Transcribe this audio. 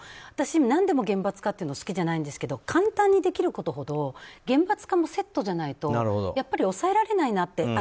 私、何でも厳罰化は好きじゃないんですけど簡単にできることほど厳罰化もセットじゃないとやっぱり抑えられないなと。